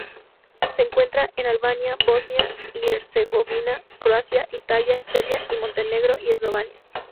Se encuentra en Albania, Bosnia y Herzegovina, Croacia, Italia, Serbia y Montenegro, y Eslovenia.